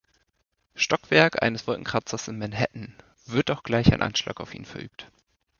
Stockwerk eines Wolkenkratzers in Manhattan, wird auch gleich ein Anschlag auf ihn verübt.